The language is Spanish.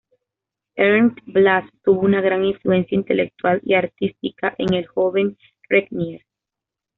Ernst Blass tuvo una gran influencia intelectual y artística en el joven Regnier.